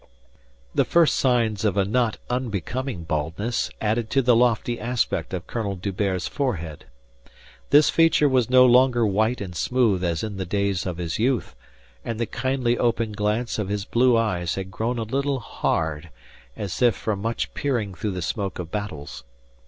The first signs of a not unbecoming baldness added to the lofty aspect of Colonel D'Hubert's forehead. This feature was no longer white and smooth as in the days of his youth, and the kindly open glance of his blue eyes had grown a little hard, as if from much peering through the smoke of battles.